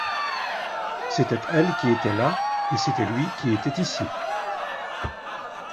C’était elle qui était là, et c’était lui qui était ici!